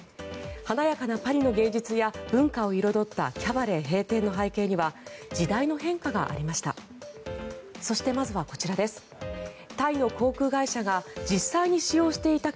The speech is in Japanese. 華やかなパリの芸術や文化を彩ったキャバレー閉店の背景には時代の変化がありました。